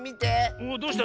おっどうした？